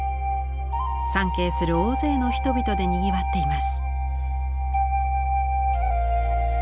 参詣する大勢の人々でにぎわっています。